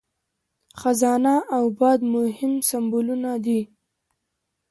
خزانه او باد مهم سمبولونه دي.